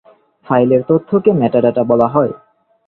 ফাইলের তথ্যকে মেটাডাটা বলা হয়।